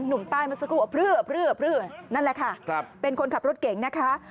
หนุ่มใต้เมื่อสักครู่อะเลือนั่นแหละค่ะเป็นคนขับรถเก่งนะคะ